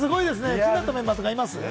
気になったメンバーとかいます？